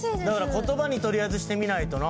言葉に取りあえずしてみないとな。